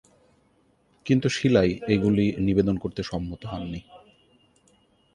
কিন্তু শিলায় এগুলি নিবেদন করতে সম্মত হননি।